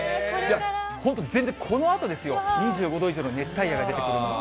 本当、全然、このあとですよ、２５度以上の熱帯夜が出てくるのは。